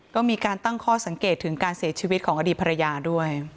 ก็มีการตั้งข้อสังเกตถึงการเสียชีวิตของอดีตภรรยาด้วย